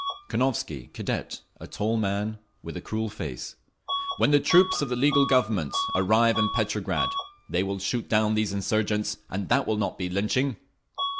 Konovski, Cadet, a tall old man with a cruel face: "When the troops of the legal Government arrive in Petrograd, they will shoot down these insurgents, and that will not be lynching!"